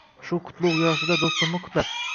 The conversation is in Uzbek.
Shu qutlug’ yoshida do’stimni qutlab